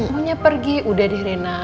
pokoknya pergi udah deh rena